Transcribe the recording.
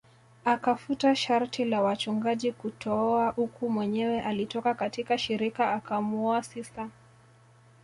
Akafuta sharti la wachungaji kutooa uku Mwenyewe alitoka katika shirika akamuoa sista